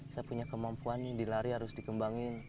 saya punya kemampuan nih dilari harus dikembangin